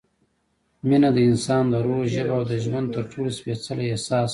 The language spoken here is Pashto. مینه – د انسان د روح ژبه او د ژوند تر ټولو سپېڅلی احساس